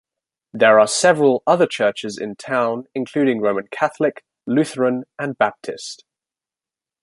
There are several other churches in town including Roman Catholic, Lutheran and Baptist.